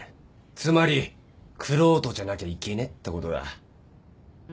つまり玄人じゃなきゃいけねえってことだ